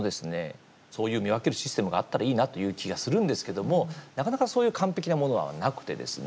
そういう見分けるシステムがあったらいいなという気がするんですけどもなかなか、そういう完璧なものはなくてですね。